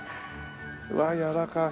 うわあやわらかい。